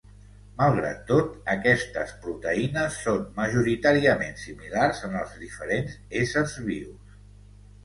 Malgrat tot, aquestes proteïnes són majoritàriament similars en els diferents éssers vius.